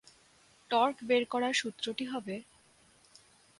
torque বের করার সূত্রটি হবে